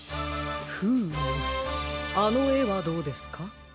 フームあのえはどうですか？